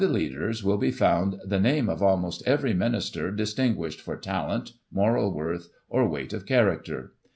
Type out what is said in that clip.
215 leaders will be found the name of almost every minister dis tinguished for talent, moral worth, or weight of character.